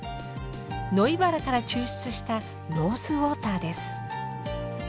ノイバラから抽出したローズウォーターです。